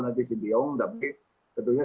nanti si biong tapi tentunya